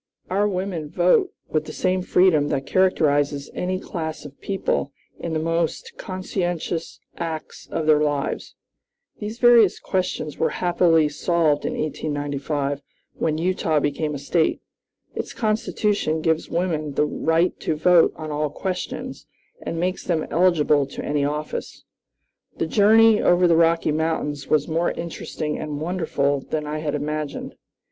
Our women vote with the same freedom that characterizes any class of people in the most conscientious acts of their lives." These various questions were happily solved in 1895, when Utah became a State. Its Constitution gives women the right to vote on all questions, and makes them eligible to any office. The journey over the Rocky Mountains was more interesting and wonderful than I had imagined.